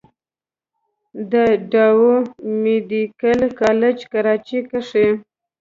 د ډاؤ ميديکل کالج کراچۍ کښې